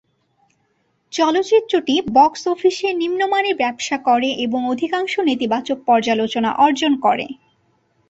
চলচ্চিত্রটি বক্স অফিসে নিম্নমানের ব্যবসা করে এবং অধিকাংশ নেতিবাচক পর্যালোচনা অর্জন করে।